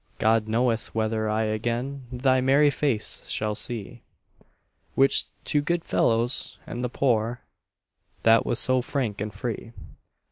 God knoweth whether I again Thy merry face shall see, Which to good fellows and the poor That was so frank and free.